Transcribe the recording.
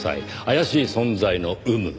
怪しい存在の有無。